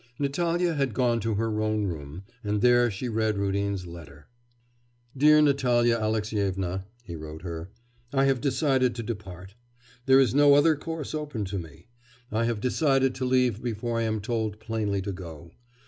Natalya had gone to her own room, and there she read Rudin's letter. 'Dear Natalya Alexyevna,' he wrote her, 'I have decided to depart. There is no other course open to me. I have decided to leave before I am told plainly to go.